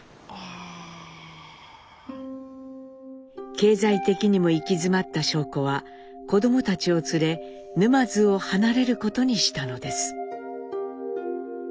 経済的にも行き詰まった尚子は子どもたちを連れ沼津を離れることにしたのです。